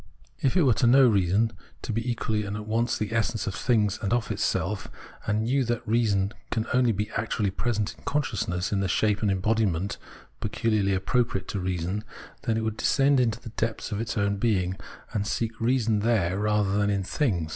If it were to know reason to be equally and at once the essence of things and of itself, and knew that reason can only be actually present in consciousness in the shape and embodiment pecuharly appropriate to reason, then it would descend into the depths of its own being, and seek reason there rather than in things.